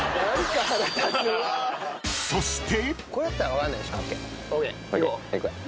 ［そして］